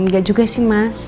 gak juga sih mas